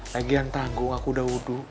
lagi yang tanggung aku udah wudhu